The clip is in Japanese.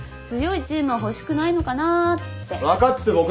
強いチームは欲しくないのかなって。